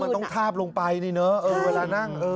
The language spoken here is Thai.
มันต้องทาบลงไปนี่เนอะเวลานั่ง